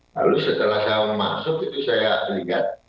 lalu setelah saya masuk itu saya lihat